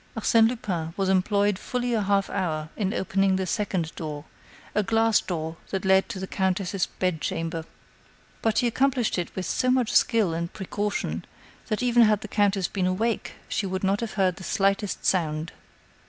Arsène Lupin was employed fully a half hour in opening the second door a glass door that led to the countess' bedchamber. But he accomplished it with so much skill and precaution, that even had the countess been awake, she would not have heard the slightest sound.